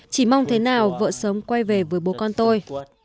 chỉ mong thế nào vợ sớm quay về với bố con tôi